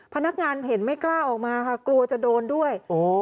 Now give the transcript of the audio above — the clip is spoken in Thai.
พนักงานเห็นไม่กล้าออกมาค่ะกลัวจะโดนด้วย